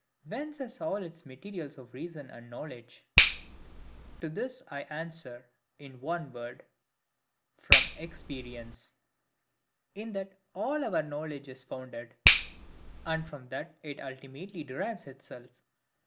Whence has it all the MATERIALS of reason and knowledge? To this I answer, in one word, from EXPERIENCE. In that all our knowledge is founded; and from that it ultimately derives itself.